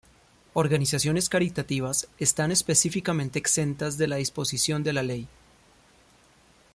Organizaciones caritativas están específicamente exentas de la disposición de la ley.